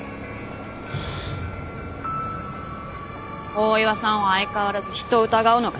大岩さんは相変わらず人を疑うのが好きですね。